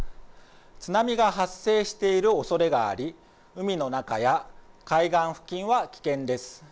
津波が発生しているおそれがあり海の中や海岸付近は危険です。